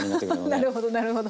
なるほどなるほど。